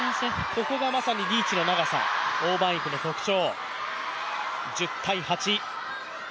ここがまさにリーチの長さ王曼イクの特徴。